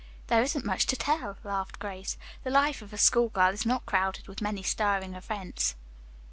"There isn't much to tell," laughed Grace. "The life of a school girl is not crowded with many stirring events."